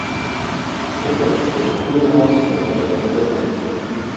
Што падштурхнула вас да гэтага кроку?